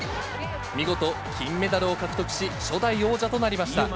見事、金メダルを獲得し、初代王者となりました。